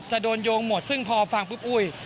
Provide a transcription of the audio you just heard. โดนโยงหมดซึ่งพอฟังปุ๊บอุ้ย